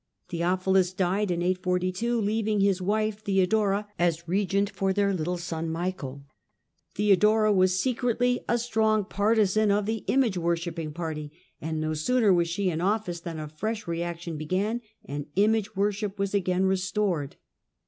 Theophilus died in 842, leaving is wife Theodora as regent for their little son Michael. Michael 'heodora was secretly a strong partisan of the image kard," worshipping party, and no sooner was she in office than fresh reaction began and image worship was again stored.